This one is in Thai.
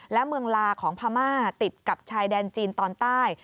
และเมืองลาของพม่าติดกับชายแดนจีนตอนใต้